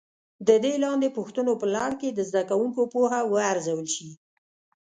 د دې لاندې پوښتنو په لړ کې د زده کوونکو پوهه وارزول شي.